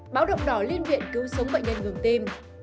báo động đỏ liên viện cứu sống bệnh nhân ngừng tim